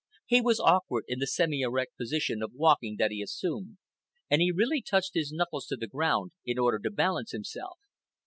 He was awkward in the semi erect position of walking that he assumed, and he really touched his knuckles to the ground in order to balance himself.